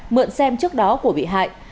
mượn xem trước đó của bị hại